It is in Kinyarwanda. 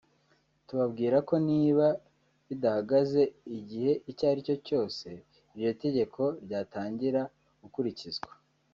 tubabwira ko niba bidahagaze igihe icyo ari cyo cyose iryo tegeko ryatangira gukurikizwa